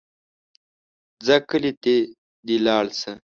ځه کلي ته دې لاړ شه.